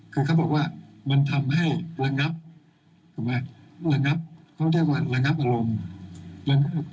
คือเขาบอกว่ามันทำให้ระงับเขาเรียกว่าระงับอารมณ์